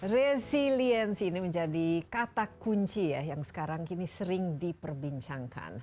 resiliensi ini menjadi kata kunci ya yang sekarang kini sering diperbincangkan